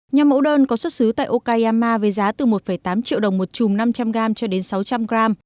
nhóm mẫu đơn có xuất xứ tại okayama với giá từ một tám triệu đồng một chùm năm trăm linh gram cho đến sáu trăm linh gram